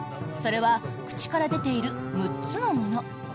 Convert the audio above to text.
それは口から出ている６つのもの。